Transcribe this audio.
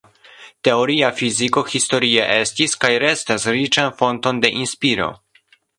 Teoria fiziko historie estis, kaj restas, riĉan fonton de inspiro.